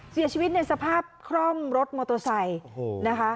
เสียชีวิตในสภาพคร่อมรถมอเตอร์ไซค์นะคะ